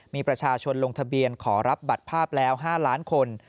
มีประชาชนลงทะเบียนขอรับบัตรภาพแล้ว๕ล้านคน